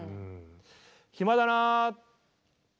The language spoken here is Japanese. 暇だなあ。